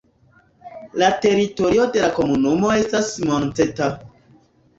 La teritorio de la komunumo estas monteta.